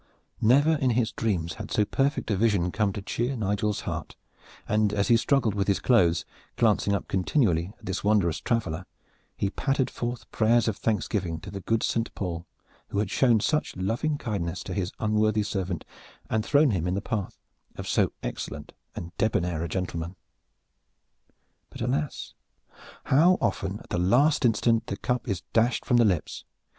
Never in his dreams had so perfect a vision come to cheer Nigel's heart, and as he struggled with his clothes, glancing up continually at this wondrous traveler, he pattered forth prayers of thanksgiving to the good Saint Paul who had shown such loving kindness to his unworthy servant and thrown him in the path of so excellent and debonair a gentleman. But alas! how often at the last instant the cup is dashed from the lips!